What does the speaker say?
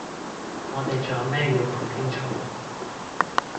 我哋仲有咩要講清楚？